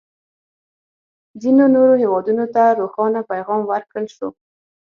ځینو نورو هېوادونه ته روښانه پیغام ورکړل شو.